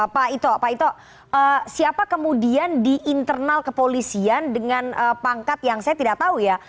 pak ito pak ito siapa kemudian di internal kepolisian dengan pangkat yang saya tidak tahu ya